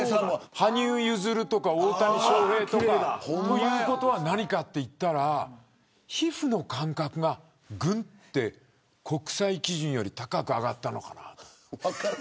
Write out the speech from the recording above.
羽生結弦とか大谷翔平とか。ということは皮膚の感覚がぐんと国際基準より高く上がったのかなって。